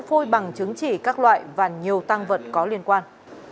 phôi bằng chứng chỉ các loại và nhiều tăng vật có liên quan